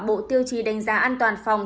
bộ tiêu trì đánh giá an toàn phòng